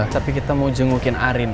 tapi kita mau jengukin arin